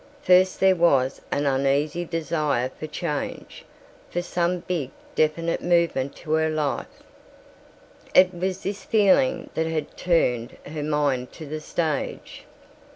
First there was an uneasy desire for change, for some big definite movement to her life. It was this feeling that had turned her mind to the stage.